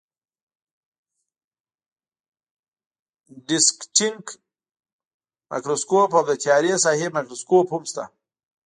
دیسکټینګ مایکروسکوپ او د تیارې ساحې مایکروسکوپ هم شته.